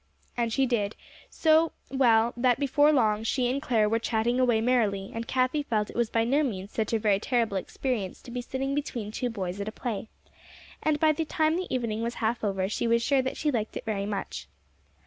And she did; so well, that before long, she and Clare were chatting away merrily; and Cathie felt it was by no means such a very terrible experience to be sitting between two boys at a play; and by the time the evening was half over, she was sure that she liked it very much.